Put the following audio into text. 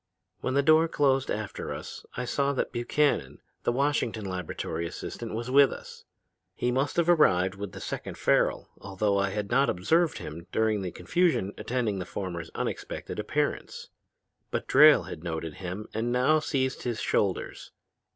When the door closed after us I saw that Buchannon, the Washington laboratory assistant, was with us. He must have arrived with the second Farrel, although I had not observed him during the confusion attending the former's unexpected appearance. But Drayle had noted him and now seized his shoulders.